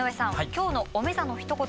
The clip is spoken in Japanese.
今日の「おめざ」のひと言